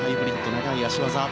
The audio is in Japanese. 長い脚技。